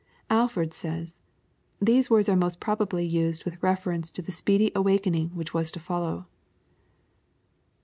Alford says —" The words are most probably used with refer ence to the speedy awakening which was to follow.